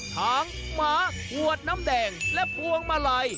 หมาขวดน้ำแดงและพวงมาลัย